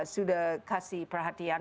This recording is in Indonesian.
sudah kasih perhatian